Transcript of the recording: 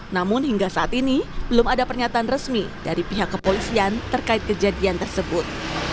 namun hingga saat ini belum ada pernyataan resmi dari pihak kepolisian terkait kejadian tersebut